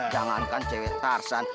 jangan kan cewek tarzan